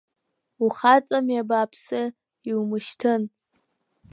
Ухаҵами абааԥсы, иумышьҭын!